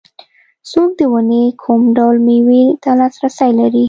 څوک د ونې کوم ډول مېوې ته لاسرسی لري.